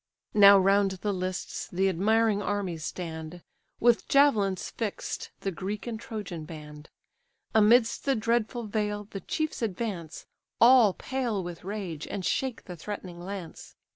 Now round the lists the admiring armies stand, With javelins fix'd, the Greek and Trojan band. Amidst the dreadful vale, the chiefs advance, All pale with rage, and shake the threatening lance.